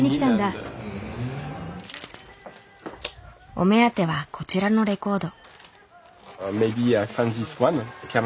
お目当てはこちらのレコード。